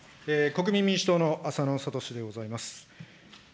国民民主党の浅野哲でございます。